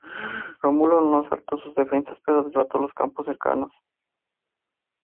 Rómulo no asaltó sus defensas pero devastó los campos cercanos.